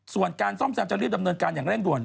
ส่วนการซ่อมแซมจะรีบดำเนินการอย่างเร่งด่วน